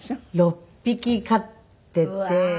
６匹飼っていて。